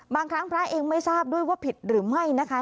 บางครั้งพระเองไม่ทราบด้วยว่าผิดหรือไม่นะคะ